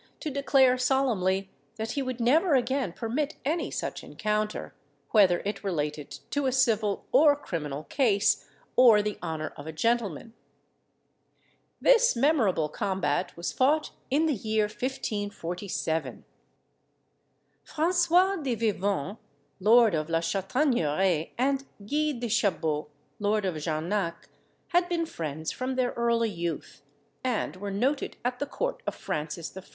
to declare solemnly that he would never again permit any such encounter, whether it related to a civil or criminal case, or the honour of a gentleman. This memorable combat was fought in the year 1547. François de Vivonne, lord of La Chataigneraie, and Guy de Chabot, lord of Jarnac, had been friends from their early youth, and were noted at the court of Francis I.